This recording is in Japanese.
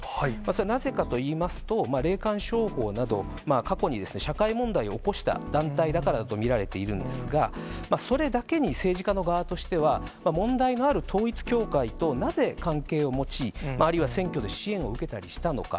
それはなぜかといいますと、霊感商法など、過去に社会問題を起こした団体だからだと見られているんですが、それだけに、政治家の側としては、問題のある統一教会となぜ関係を持ち、あるいは、選挙で支援を受けたりしたのか。